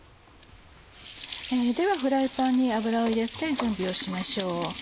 ではフライパンに油を入れて準備をしましょう。